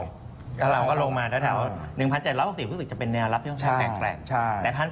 บ้านเราก็ลงมาตรงแถว๑๗๐๐แล้วก็คิดว่าจะเป็นแนวรับที่ต้องแข็งแกร่ง